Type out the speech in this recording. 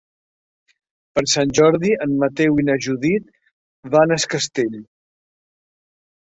Per Sant Jordi en Mateu i na Judit van a Es Castell.